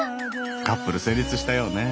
カップル成立したようね。